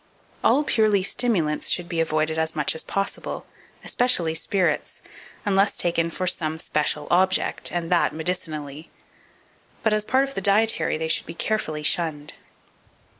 All purely stimulants should be avoided as much as possible, especially spirits, unless taken for some special object, and that medicinally; but as a part of the dietary they should be carefully shunned.